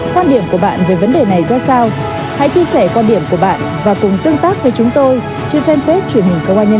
quan điểm của bạn về vấn đề này ra sao hãy chia sẻ quan điểm của bạn và cùng tương tác với chúng tôi trên fanpage truyền hình công an nhân dân